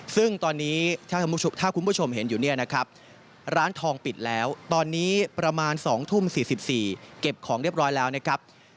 ซึ่งตอนนี้ถ้าคุณผู้ชมเห็นอยู่เนี่ยนะครับร้านทองปิดแล้วตอนนี้ประมาณ๒ทุ่ม๔๔เก็บของเรียบร้อยแล้วนะครับ